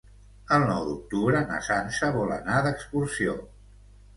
El nou d'octubre na Sança vol anar d'excursió.